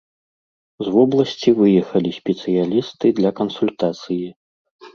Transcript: З вобласці выехалі спецыялісты для кансультацыі.